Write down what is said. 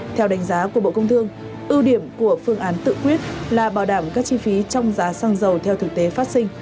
theo đánh giá của bộ công thương ưu điểm của phương án tự quyết là bảo đảm các chi phí trong giá xăng dầu theo thực tế phát sinh